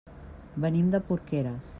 Venim de Porqueres.